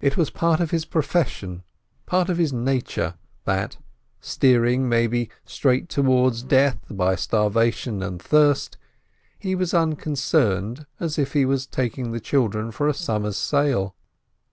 It was part of his profession, part of his nature, that, steering, maybe, straight towards death by starvation and thirst, he was as unconcerned as if he were taking the children for a summer's sail.